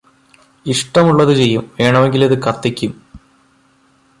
ഇഷ്ടമുള്ളത് ചെയ്യും വേണമെങ്കില് ഇത് കത്തിക്കും